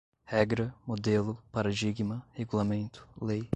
regra, modelo, paradigma, regulamento, lei